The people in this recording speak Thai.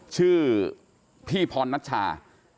ชื่อพี่พรนัชชา